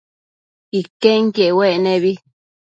Iquenquiec uec nebi